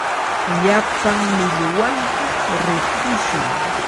Llamapa millwanta rutushun.